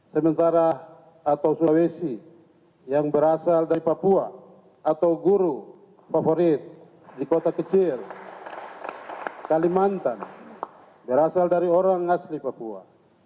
sementara atau sulawesi yang berasal dari papua atau guru favorit di kota kecil kalimantan berasal dari orang asli papua